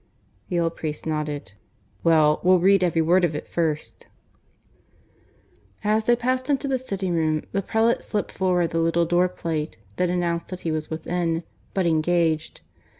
The old priest nodded. "Well, we'll read every word of it first," As they passed into the sitting room, the prelate slipped forward the little door plate that announced that he was within, but engaged.